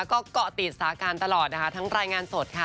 ก็เกาะติดสถานการณ์ตลอดนะคะทั้งรายงานสดค่ะ